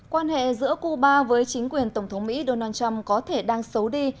quan hệ giữa cuba với chính quyền tổng thống mỹ donald trump có thể đang xấu đi